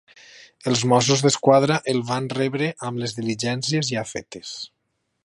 Els Mossos d'Esquadra el van rebre amb les diligències ja fetes.